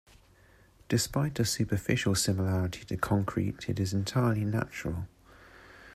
Despite a superficial similarity to concrete it is entirely natural.